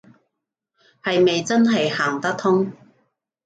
係咪真係行得通